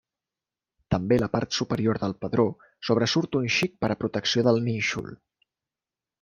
També la part superior del pedró sobresurt un xic per a protecció del nínxol.